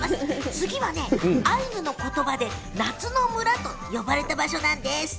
次はアイヌの言葉で夏の村と呼ばれた場所なんです。